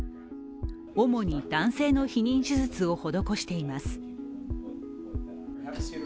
主に男性の避妊手術を施しています。